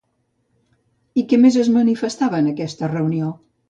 I què més es manifestava en aquesta reunió?